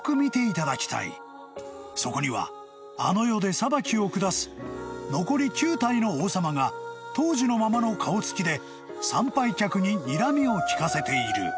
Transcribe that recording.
［そこにはあの世で裁きを下す残り９体の王様が当時のままの顔つきで参拝客ににらみを利かせている］